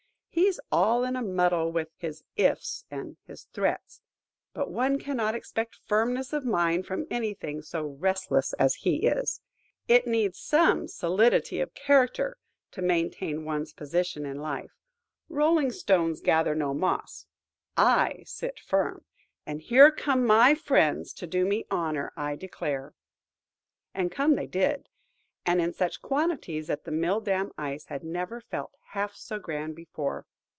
He's all in a muddle with his ifs and his threats. But one cannot expect firmness of mind from anything so restless as he is. It needs some solidity of character to maintain one's position in life. Rolling stones gather no moss. I sit firm. And here come my friends to do me honour, I declare!" And come they did; and in such quantities, that the mill dam Ice had never felt half so grand before.